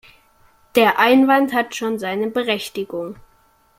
Der Einwand hat schon seine Berechtigung.